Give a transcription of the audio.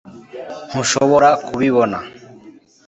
ntushobora kubibona